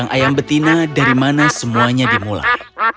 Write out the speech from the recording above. barang ayam betina dari mana semuanya dimulai